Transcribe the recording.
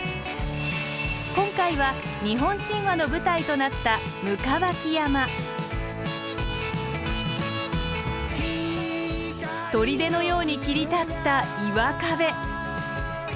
今回は日本神話の舞台となった砦のように切り立った岩壁。